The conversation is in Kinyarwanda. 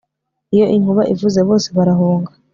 Iyo inkuba ivuze bose barahunga